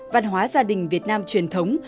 văn hóa gia đình việt nam truyền thống